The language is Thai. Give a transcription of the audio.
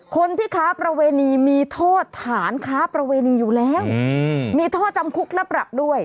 คนที่ค้าประเวณีมีโทษฐานค้าประเวณีอยู่แล้วมีโทษจำคุกและปรับด้วย